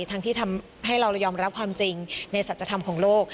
ทั้งที่ทำให้เรายอมรับความจริงในสัจธรรมของโลก